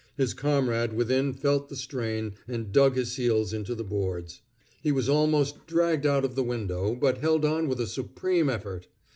His comrade within felt the strain, and dug his heels into the boards. He was almost dragged out of the window, but held on with a supreme effort.